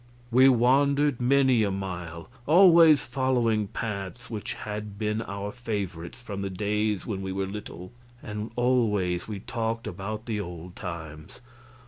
We wandered many a mile, always following paths which had been our favorites from the days when we were little, and always we talked about the old times.